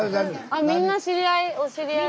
あみんな知り合いお知り合いだ。